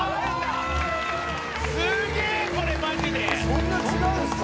そんな違うんすか？